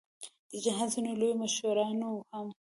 د جهاد ځینو لویو مشرانو هم.